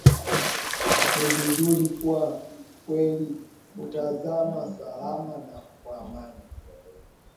ni vizuri kwa kweli tukamaliza salama na kwa amani